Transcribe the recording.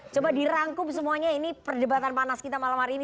coba dirangkum semuanya ini perdebatan panas kita malam hari ini